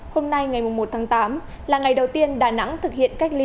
hôm nay ngày một tháng tám là ngày đầu tiên đà nẵng thực hiện cách ly